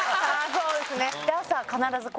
そうですね。